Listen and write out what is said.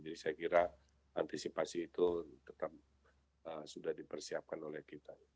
jadi saya kira antisipasi itu tetap sudah dipersiapkan oleh kita